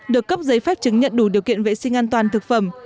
được cấp giấy phép chứng nhận đủ điều kiện vệ sinh an toàn thực phẩm